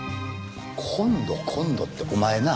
今度今度ってお前な。